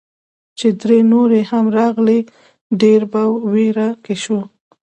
چې درې نورې هم راغلې، ډېر په ویره کې شوو.